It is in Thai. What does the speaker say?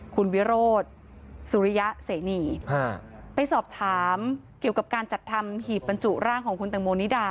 คุณวิโรธสุริยะเสนีไปสอบถามเกี่ยวกับการจัดทำหีบบรรจุร่างของคุณตังโมนิดา